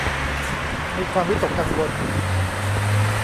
มีความวิตกกังวล